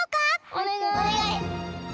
おねがい！